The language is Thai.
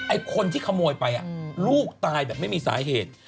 ไอ้คนที่ขโมยไปลูกตายแบบไม่มีสาเหตุ